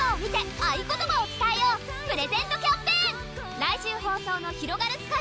来週放送のひろがるスカイ！